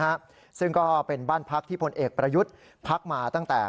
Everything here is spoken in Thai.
ฮะซึ่งก็เป็นบ้านพักที่พลเอกประยุทธ์พักมาตั้งแต่